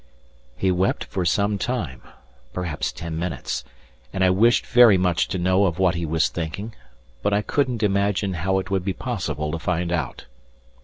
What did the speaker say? He wept for some time, perhaps ten minutes, and I wished very much to know of what he was thinking, but I couldn't imagine how it would be possible to find out.